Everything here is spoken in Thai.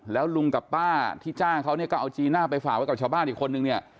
แล้วลุงกับป้าที่จ้างเขาเนี่ยก็เอาจีน่าไปฝากไว้กับชาวบ้านอีกคนนึงเนี่ย